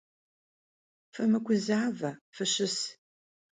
Fımıguzaue, fışıs!